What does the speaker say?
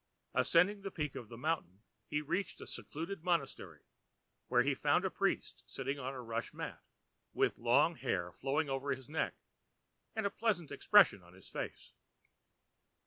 Ascending a peak of the mountain he reached a secluded monastery where he found a priest sitting on a rush mat, with long hair flowing over his neck, and a pleasant expression on his face.